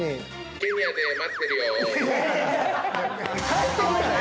ケニアで待ってるよ。